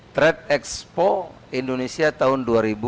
trade expo indonesia tahun dua ribu dua puluh